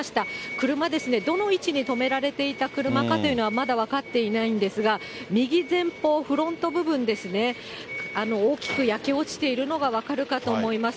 車、どの位置に止められていた車かというのはまだ分かっていないんですが、右前方、フロント部分ですね、大きく焼け落ちているのが分かるかと思います。